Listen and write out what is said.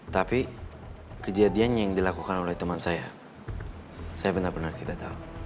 tapi kejadiannya yang dilakukan oleh teman saya saya benar benar tidak tahu